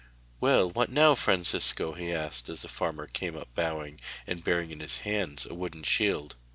'Well, what now, Francisco?' he asked, as the farmer came up bowing, and bearing in his hands a wooden shield.